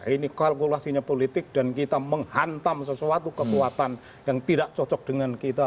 ini kalkulasinya politik dan kita menghantam sesuatu kekuatan yang tidak cocok dengan kita